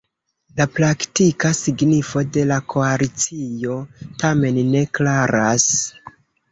La praktika signifo de la koalicio tamen ne klaras.